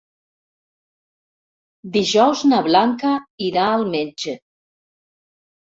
Dijous na Blanca irà al metge.